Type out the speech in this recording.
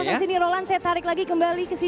oke silahkan sini roland saya tarik lagi kembali kesini